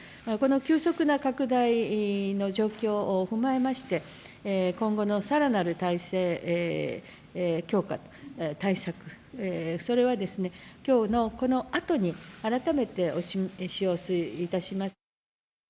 この急速な拡大の状況踏まえまして、今後のさらなる体制強化、対策、それはですね、きょうのこのあとに改めてお示しをいたします。